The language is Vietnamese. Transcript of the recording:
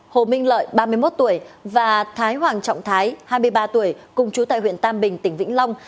hồ minh lợi ba mươi một tuổi và thái hoàng trọng thái hai mươi ba tuổi cùng chú tại huyện tam bình tỉnh vĩnh long